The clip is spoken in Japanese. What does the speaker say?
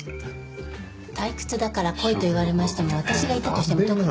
退屈だから来いと言われましても私が行ったとしても特に。